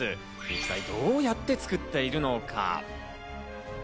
一体どうやって作っているのか？